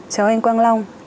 chào anh quang long